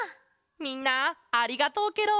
みんなありがとうケロ！